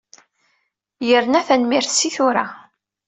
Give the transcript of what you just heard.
Yerna tanemmirt si tura.